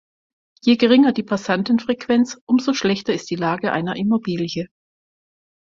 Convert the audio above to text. Je geringer die Passantenfrequenz, umso schlechter ist die Lage einer Immobilie.